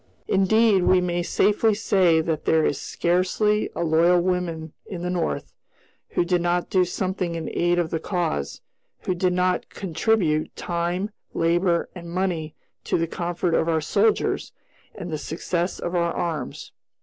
Indeed, we may safely say that there is scarcely a loyal woman in the North who did not do something in aid of the cause; who did not contribute time, labor, and money to the comfort of our soldiers and the success of our arms.